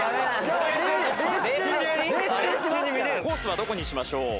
コースはどこにしましょう？